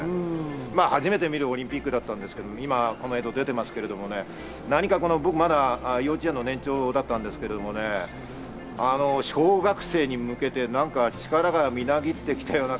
初めて見るオリンピックだったんですけど、映像が出ていますけど、僕、幼稚園の年長だったんですけどね、小学生に向けて力がみなぎってきたような。